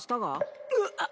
うわっ！